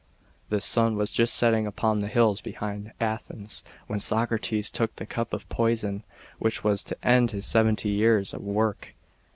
The sun was just setting upon the hills behind Athens, when Socrates took the cup of poison, which was to end his seventy years of work.